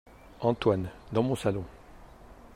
Antoine ! dans mon salon !